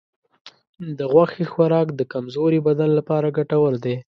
د غوښې خوراک د کمزورې بدن لپاره ګټور دی.